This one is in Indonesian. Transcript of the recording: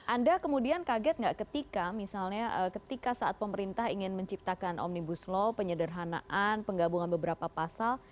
anda kemudian kaget nggak ketika misalnya ketika saat pemerintah ingin menciptakan omnibus law penyederhanaan penggabungan beberapa pasal